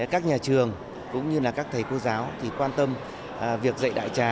các nhà trường cũng như các thầy cô giáo thì quan tâm việc dạy đại trà